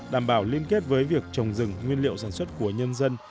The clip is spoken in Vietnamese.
đảm bảo liên kết với việc trồng rừng nguyên liệu sản xuất của nhân dân